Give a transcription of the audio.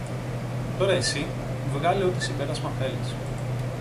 Τώρα εσύ, βγάλε ό,τι συμπέρασμα θέλεις